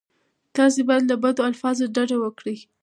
تاسې باید له بدو الفاظو ډډه وکړئ.